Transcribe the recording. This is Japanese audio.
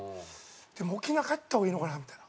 もう沖縄帰った方がいいのかなみたいな。